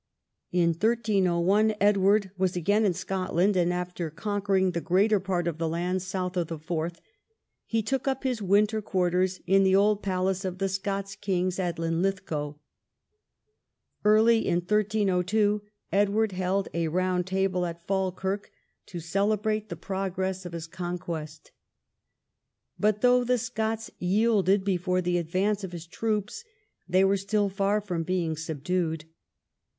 In 1301 Edward was again in Scotland, and, after conquering the greater part of the lands south of the Forth, he took up his winter quarters in the old palace of the Scots kings at Linlithgow. Early in 1302 Edward held a "Round Table "at Falkirk to celebrate the progress of his conquest. But though the Scots yielded before the advance of his troops, they were still far from being subdued.